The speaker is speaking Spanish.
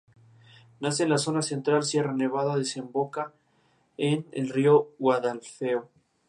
En el disco aparecen Romeo Santos, Hector El Father y otros.